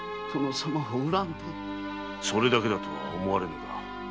それだけだとは思われぬが。